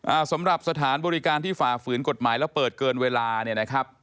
อ่าสำหรับสถานบริการที่ฝ่าฝืนกฎหมายแล้วเปิดเกินเวลาเนี่ยนะครับ